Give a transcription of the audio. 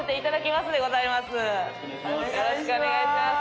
よろしくお願いします。